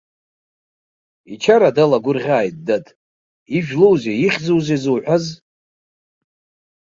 Ичара далагәырӷьааит, дад, ижәлоузеи, ихьӡузеи зуҳәаз?